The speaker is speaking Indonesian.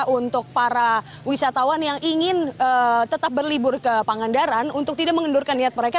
untuk para wisatawan yang ingin tetap berlibur ke pangandaran untuk tidak mengendurkan niat mereka